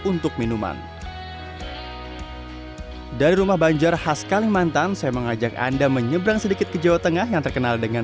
untuk minuman dari rumah banjar khas kalimantan saya mengajak anda menyeberang sedikit ke jawa tengah yang terkenal dengan